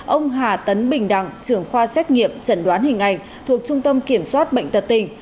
ông hà tấn bình đặng trưởng khoa xét nghiệm trần đoán hình ảnh thuộc trung tâm kiểm soát bệnh tật tình